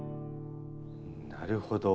なるほど。